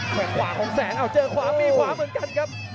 ขวาของแสงเอาเจอขวามีขวาเหมือนกันครับ